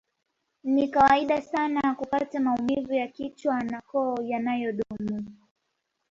Ni kawaida sana kupata maumivu ya kichwa na koo yanayodumu